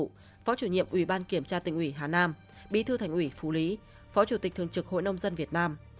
phó chủ nhiệm ủy ban kiểm tra tỉnh ủy hà nam bí thư thành ủy phú lý phó chủ tịch thường trực hội nông dân việt nam